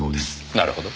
なるほど。